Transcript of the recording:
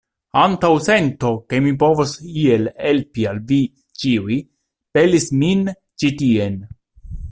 Antaŭsento, ke mi povos iel helpi al vi ĉiuj, pelis min ĉi tien.